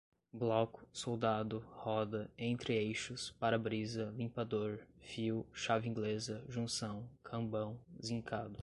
bloco, soldado, roda, entre-eixos, para-brisa, limpador, fio, chave inglesa, junção, cambão, zincado